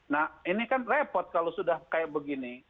nah ini kan repot kalau sudah kayak begini